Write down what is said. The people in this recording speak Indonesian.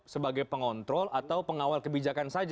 sebagai pengontrol atau pengawal kebijakan saja